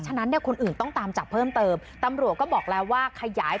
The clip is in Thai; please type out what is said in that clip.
ฉะนั้นเนี่ยคนอื่นต้องตามจับเพิ่มเติมตำรวจก็บอกแล้วว่าขยาย